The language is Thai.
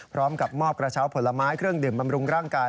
พร้อมกับมอบกระเช้าผลไม้เครื่องดื่มบำรุงร่างกาย